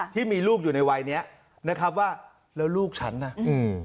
ที่มีลูกอยู่ในวัยเนี้ยนะครับว่าแล้วลูกฉันน่ะอืม